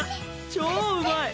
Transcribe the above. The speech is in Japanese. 超うまい！